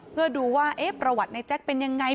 เพื่อดูว่าประวัติในแจ๊คเป็นยังไง